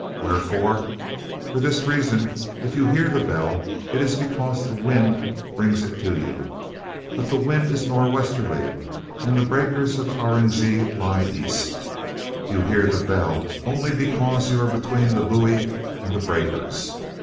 Wherefore? For this reason: if you hear the bell, it is because the wind brings it to you. But the wind is nor' westerly, and the breakers of Aurigny lie east. You hear the bell only because you are between the buoy and the breakers.